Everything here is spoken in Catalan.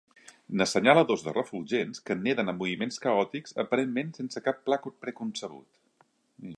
N'assenyala dos de refulgents que neden amb moviments caòtics, aparentment sense cap pla preconcebut.